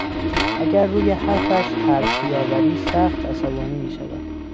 اگر روی حرفش حرف بیاوری سخت عصبانی میشود.